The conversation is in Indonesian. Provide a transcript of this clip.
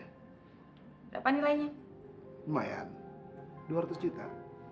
lumayan dua ratus juta